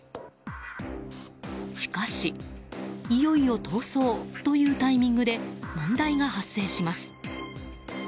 しかし、いよいよ逃走というタイミングで問題が発生します。